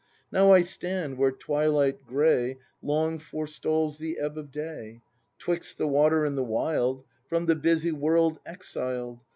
N o w I stand where twilight gray Long forestalls the ebb of day, 'Twixt the water and the wild, From the busy world exiled.